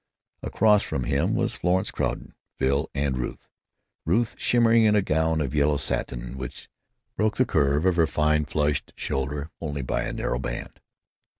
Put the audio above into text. Across from him were Florence Crewden, Phil, and Ruth—Ruth shimmering in a gown of yellow satin, which broke the curves of her fine, flushed shoulders only by a narrow band.